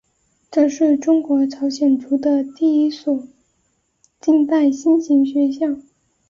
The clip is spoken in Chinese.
这是中国朝鲜族的第一所近代新型学校。